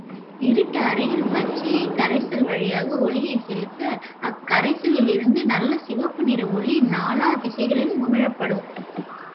இருட்டறையில் பச்சையக் கரைசல் வழியாக ஒளியைச் செலுத்த, அக்கரைசலிலிருந்து நல்ல சிவப்பு நிற ஒளி நாலாத் திசைகளிலும் உமிழப்படும்.